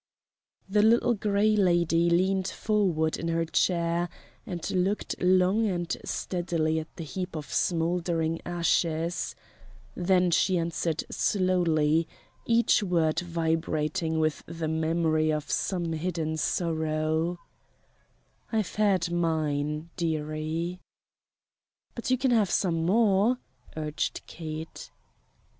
The Little Gray Lady leaned forward in her chair and looked long and steadily at the heap of smouldering ashes; then she answered slowly, each word vibrating with the memory of some hidden sorrow: "I've had mine, dearie." "But you can have some more," urged Kate.